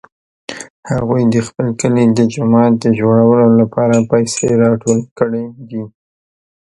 هغوی د خپل کلي د جومات د جوړولو لپاره پیسې راټولې کړې دي